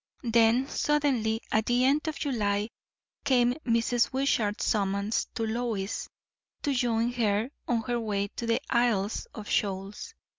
Then suddenly, at the end of July, came Mrs. Wishart's summons to Lois to join her on her way to the Isles of Shoals.